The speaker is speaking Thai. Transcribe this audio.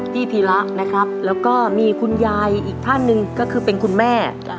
พี่พีระนะครับแล้วก็มีคุณยายอีกท่านหนึ่งก็คือเป็นคุณแม่